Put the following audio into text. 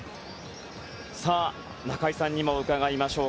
中居さんにも伺いましょう。